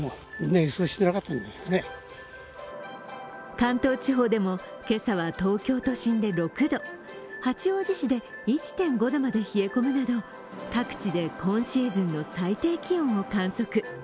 関東地方でも今朝は東京都心で６度八王子市で１．５度まで冷え込むなど各地で今シーズンの最低気温を観測。